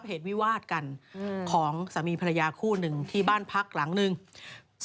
หมัดบ่อยไปหมดเลยครับทรงก็ทรงเหอะ